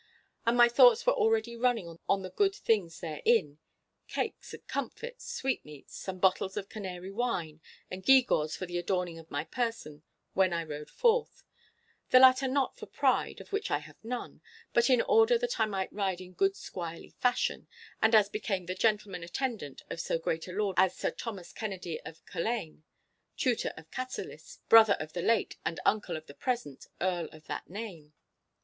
And my thoughts were already running on the good things therein—cakes and comfits, sweetmeats, some bottles of Canary wine, and gee gaws for the adorning of my person when I rode forth—the latter not for pride, of which I have none, but in order that I might ride in good squirely fashion, and as became the gentleman attendant of so great a lord as Sir Thomas Kennedy of Culzean, Tutor of Cassillis, brother of the late, and uncle of the present Earl of that name.